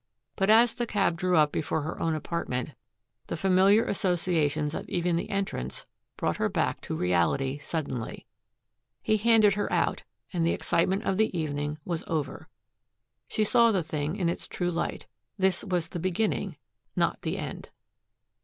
But as the cab drew up before her own apartment, the familiar associations of even the entrance brought her back to reality suddenly. He handed her out, and the excitement of the evening was over. She saw the thing in its true light. This was the beginning, not the end.